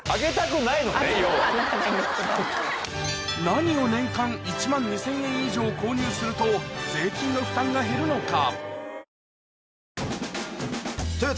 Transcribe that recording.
何を年間１万２０００円以上購入すると税金の負担が減るのか？